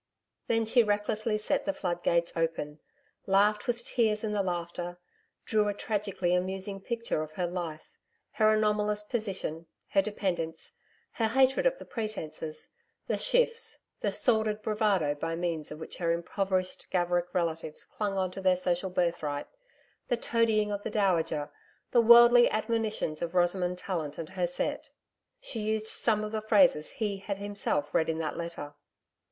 Then she recklessly set the flood gates open laughed with tears in the laughter; drew a tragically amusing picture of her life her anomalous position, her dependence, her hatred of the pretences, the shifts, the sordid bravado by means of which her impoverished Gaverick relatives clung on to their social birthright, the toadying of the Dowager, the worldly admonitions of Rosamond Tallant and her set she used some of the phrases he had himself read in that letter.